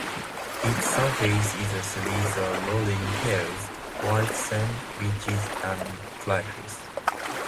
Its surface is a series of rolling hills, white sand beaches and cliffs.